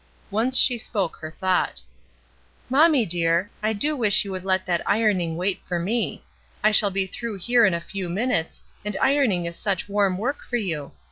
Once she spoke her thought :— "Mommie, dear, I do wish you would let that ironing wait for me. I shall be through here in a few minutes, and ironing is such warm work for you.